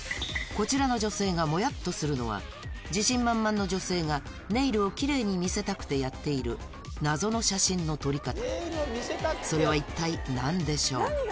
こちらの女性がモヤっとするのは自信満々の女性がネイルをキレイに見せたくてやっている謎の写真の撮り方それは一体何でしょう？